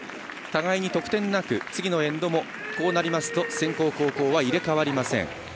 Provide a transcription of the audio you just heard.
互いに得点がなく、次のエンドもこうなりますと先攻、後攻は入れ替わりません。